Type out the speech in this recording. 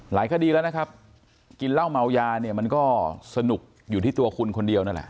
คดีแล้วนะครับกินเหล้าเมายาเนี่ยมันก็สนุกอยู่ที่ตัวคุณคนเดียวนั่นแหละ